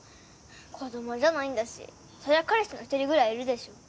子どもじゃないんだしそりゃ彼氏の１人くらいいるでしょ。